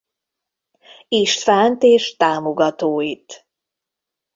Istvánt és támogatóit.